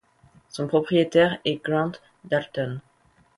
Son propriétaire est Grant Dalton.